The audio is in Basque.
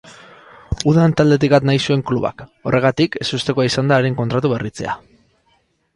Udan taldetik at nahi zuen klubak horregatik ezustekoa izan da haren kontratu berritzea.